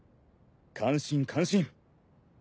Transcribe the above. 感心感心。